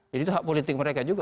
jadi itu hak politik mereka juga